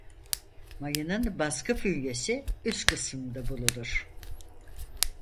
Mayının baskı fünyesi üst kısımda bulunur.